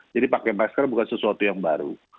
jadi pakai masker bukan sesuatu yang baru